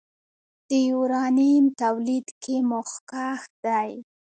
د یورانیم تولید کې مخکښ دی.